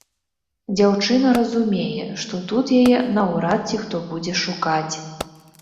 Дзяўчына разумее, што тут яе наўрад ці хто будзе шукаць.